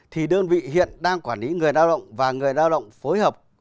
thì đơn vị hiện đang quản lý người lao động và người lao động phối hợp